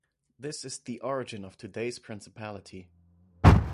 This is the origin of today's principality.